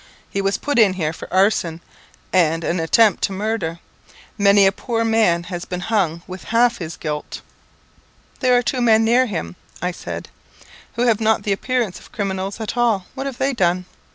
He was put in here for arson, and an attempt to murder. Many a poor man has been hung with half his guilt." "There are two men near him," I said, "who have not the appearance of criminals at all. What have they done?"